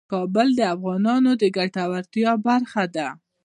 کابل د افغانانو د ګټورتیا برخه ده.